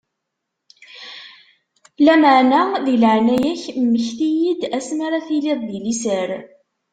Lameɛna, di leɛnaya-k, mmekti-yi-d ass mi ara tiliḍ di liser.